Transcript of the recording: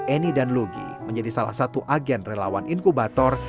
eni dan lugi menjadi salah satu agen relawan inkubator